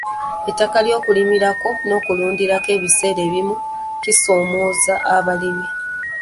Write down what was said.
Ettaka ly'okulimirako n'okulundirako ebiseera ebimu kisoomooza abalimi